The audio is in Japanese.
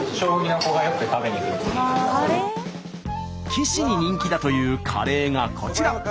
棋士に人気だというカレーがこちら！